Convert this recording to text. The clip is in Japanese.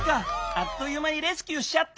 あっというまにレスキューしちゃった。